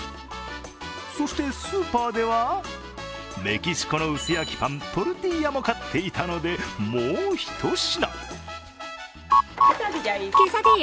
そして、スーパーでは、メキシコの薄焼きパントルティーヤも買っていたので、もうひと品。